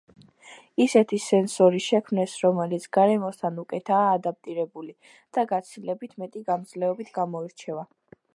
ისეთი სენსორი შექმნეს, რომელიც გარემოსთან უკეთაა ადაპტირებული და გაცილებით მეტი გამძლეობით გამოირჩევა.